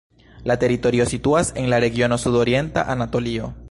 La teritorio situas en la regiono Sudorienta Anatolio.